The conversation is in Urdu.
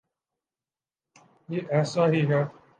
یہ ایسا ہی ہے۔